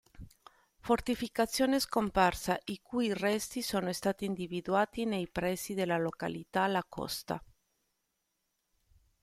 Fortificazione scomparsa i cui resti sono stati individuati nei pressi della località La Costa.